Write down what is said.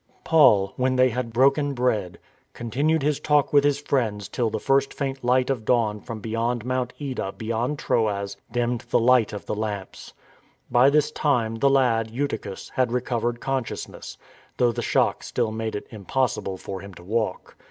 Paul, when they had broken bread, continued his talk with his friends till the first faint light of dawn from beyond Mount Ida behind Troas dimmed the light of the lamps. By this time the lad, Eutychus, had recovered consciousness, though the shock still made it impossible for him to walk.